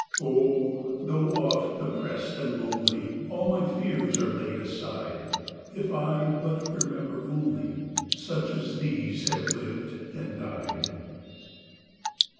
Oh, though oft depressed and lonely, All my fears are laid aside, If I but remember onlySuch as these have lived and died!